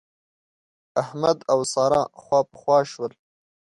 احمد او سارا خواپخوا شول.